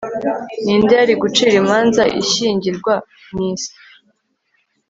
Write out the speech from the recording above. Ninde yari gucira imanza ishyingirwa mwisi